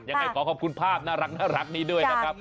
ยังไงขอขอบคุณภาพน่ารักนี้ด้วยนะครับ